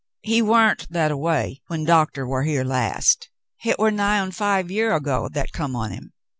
"He wa'n't that a way when doctah war here last. Hit war nigh on five year ago that come on him.